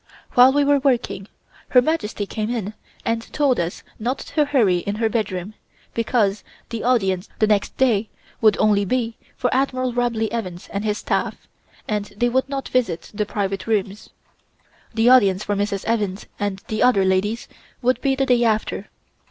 While we were working Her Majesty came in and told us not to hurry in her bedroom, because the audience the next day would only be for Admiral Robley Evans and his staff, and they would not visit the private rooms. The audience for Mrs. Evans and the other ladies would be the day after.